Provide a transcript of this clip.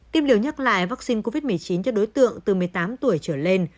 tiêm liều nhắc lại vaccine covid một mươi chín cho đối tượng từ một mươi tám tuổi trở lên